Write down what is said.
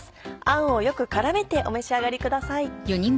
あんをよく絡めてお召し上がりください。